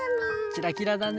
キラキラだね。